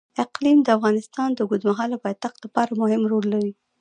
اقلیم د افغانستان د اوږدمهاله پایښت لپاره مهم رول لري.